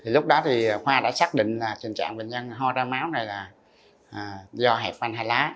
lúc đó khoa đã xác định trình trạng bệnh nhân ho ra máu này là do hẹp van hai lá